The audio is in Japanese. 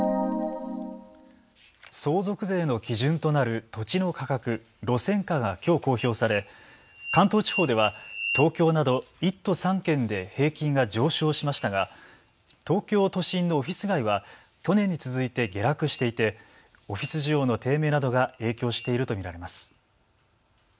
相続税の基準となる土地の価格、路線価がきょう公表され関東地方では東京など１都３県で平均が上昇しましたが東京都心のオフィス街は去年に続いて下落していてオフィス需要の低迷などが影響していると見られます。